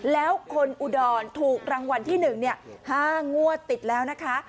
แล้วคนอุดรถูกรางวัลที่หนึ่งเนี่ยห้างั่วติดแล้วนะคะ